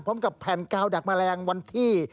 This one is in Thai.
พร้อมกับแผ่นกาวดักแมลงวันที่